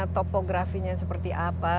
topografinya seperti apa